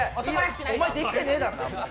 お前、できてねぇだろ。